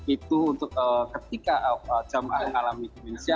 itu untuk ketika jemaah mengalami demensia